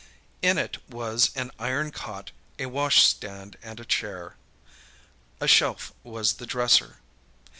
In it was an iron cot, a washstand and a chair. A shelf was the dresser.